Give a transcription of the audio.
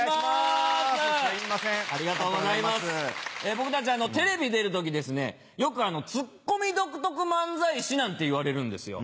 僕たちテレビ出る時ですねよくツッコミ独特漫才師なんていわれるんですよ。